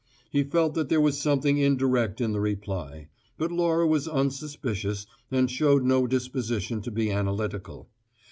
He felt there was something indirect in the reply; but Laura was unsuspicious and showed no disposition to be analytical.